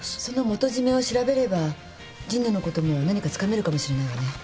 その元締を調べれば神野のことも何かつかめるかもしれないわね。